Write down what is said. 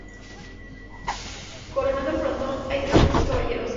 Coronando el frontón hay tres bustos caballerescos.